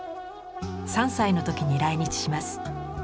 ３歳の時に来日します。